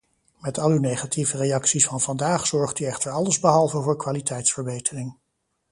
Met al uw negatieve reacties van vandaag zorgt u echter allesbehalve voor kwaliteitsverbetering.